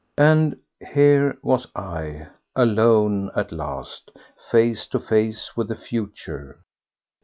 And here was I, alone at last, face to face with the future.